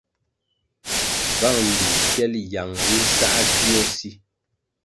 Bvang mbil kyel yang ri nsā dzio si.